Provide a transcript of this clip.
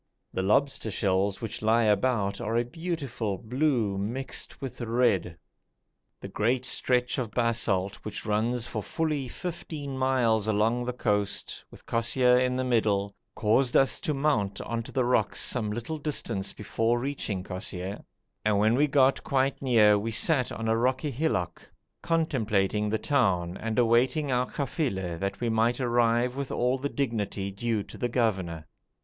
The lobster shells which lie about are a beautiful blue mixed with red. The great stretch of basalt which runs for fully fifteen miles along the coast, with Kosseir in the middle, caused us to mount on to the rocks some little distance before reaching Kosseir, and when we got quite near we sat on a rocky hillock, contemplating the town and awaiting our kafila, that we might arrive with all the dignity due to the governor.